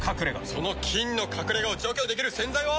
その菌の隠れ家を除去できる洗剤は。